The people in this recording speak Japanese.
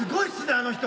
あの人。